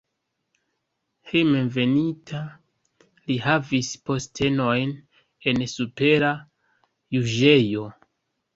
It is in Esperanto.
Hejmenveninta li havis postenojn en supera juĝejo.